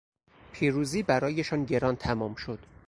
پیروزی برایشان گران تمام شد